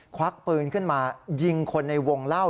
ควักปืนขึ้นมายิงคนในวงเล่า